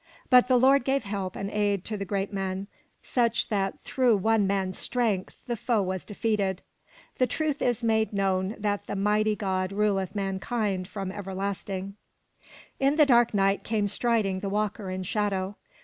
But the Lord gave help and aid to the Geat men, such that through one man's strength the foe was defeated. The truth is made known that the Mighty God ruleth mankind from everlasting. 417 MY BOOK HOUSE In the dark night came striding the walker in shadow.